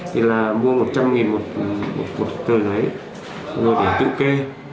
thì là mua một trăm linh một tờ giấy rồi để tự kê